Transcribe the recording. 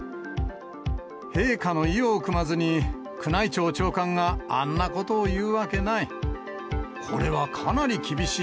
陛下の意をくまずに、宮内庁長官があんなことを言うわけない。